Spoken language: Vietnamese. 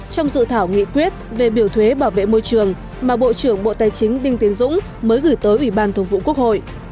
trong dự thảo nghị quyết về biểu thuế bảo vệ môi trường mà bộ trưởng bộ tài chính đinh tiến dũng mới gửi tới ủy ban thường vụ quốc hội